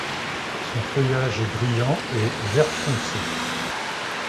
Son feuillage est brillant et vert-foncé.